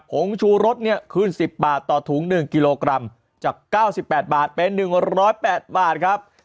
งชูรสเนี่ยคืน๑๐บาทต่อถุง๑กิโลกรัมจาก๙๘บาทเป็น๑๐๘บาทครับ